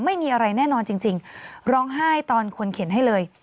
ไม่มีอะไรแน่นอนจริงร้องไห้ตอนคนเข็นให้เลย